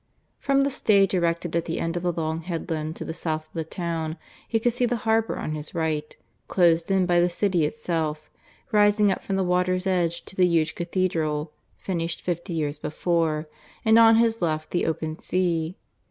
From the stage erected at the end of the long headland to the south of the town, he could see the harbour on his right, closed in by the city itself, rising up from the water's edge to the huge cathedral, finished fifty years before; and on his left the open sea.